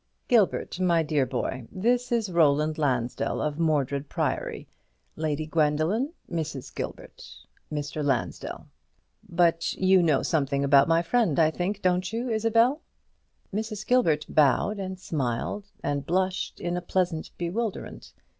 Gilbert, my dear boy, this is Roland Lansdell of Mordred Priory; Lady Gwendoline, Mrs. Gilbert Mr. Lansdell. But you know something about my friend Roland, I think, don't you, Isabel?" Mrs. Gilbert bowed and smiled and blushed in a pleasant bewilderment.